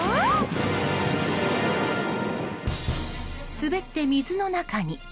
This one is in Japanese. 滑って水の中に。